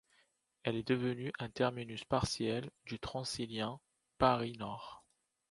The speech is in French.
Elle est devenue un terminus partiel du transilien Paris-Nord.